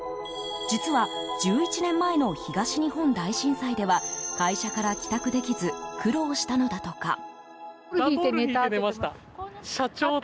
実は１１年前の東日本大震災では会社から帰宅できず苦労したのだとか。